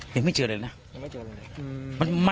ยังไม่เจออะไรเลยนะ